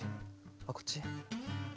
あっこっち？